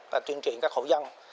và tuyên truyện các hộ dân